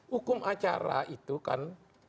hukum acara itu kan